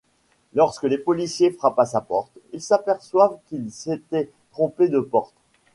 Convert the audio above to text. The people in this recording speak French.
Lorsque les policiers frappent à sa porte, ils s'aperçoivent qu'ils s'étaient trompés de porte.